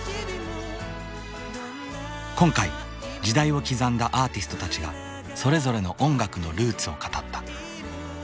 今回時代を刻んだアーティストたちがそれぞれの音楽のルーツを語った。